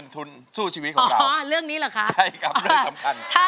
ทุนสู้ชีวิตของเราอ๋อเรื่องนี้เหรอคะใช่ครับเรื่องสำคัญ